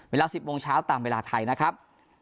เวลา๑๐โมงเช้าตามเวลาไทยนะครับ